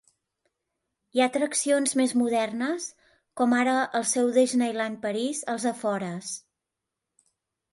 Hi ha atraccions més modernes com ara el seu Disneyland París a les afores.